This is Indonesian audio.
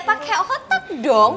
pakai otak dong